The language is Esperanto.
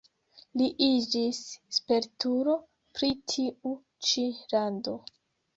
Li iĝis spertulo pri tiu ĉi lando.